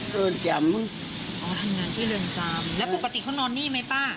เป็นห่วงหลานไหมตอนนี้